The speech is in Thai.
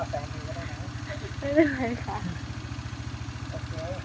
ไม่ชอบ